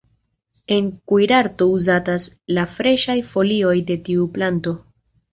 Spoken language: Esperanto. En la kuirarto uzatas la freŝaj folioj de tiu planto.